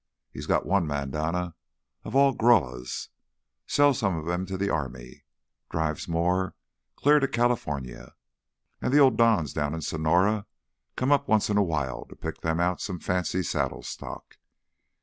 He's got one manada all of grullas. Sells some to th' army, drives more clear to Californy. An' th' old Dons down in Sonora come up once in a while to pick them out some fancy saddle stock.